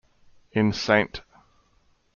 In St.